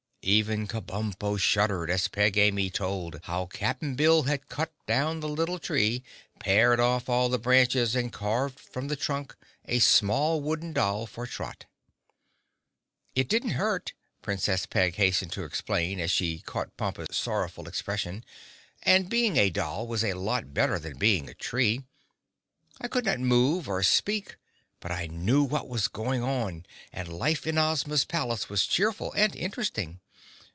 Even Kabumpo shuddered as Peg Amy told how Cap'n Bill had cut down the little tree, pared off all the branches and carved from the trunk a small wooden doll for Trot. "It didn't hurt," Princess Peg hastened to explain as she caught Pompa's sorrowful expression, "and being a doll was a lot better than being a tree. I could not move or speak but I knew what was going on and life in Ozma's palace was cheerful and interesting.